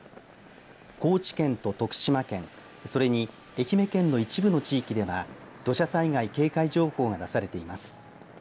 高知県と徳島県それに愛媛県の一部の地域では土砂災害警戒情報が出されています。